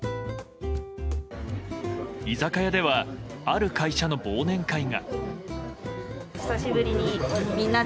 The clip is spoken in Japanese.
居酒屋では、ある会社の忘年会が。